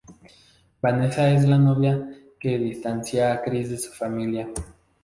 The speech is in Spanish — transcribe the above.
Vanessa es la novia que distancia a Chris de su familia.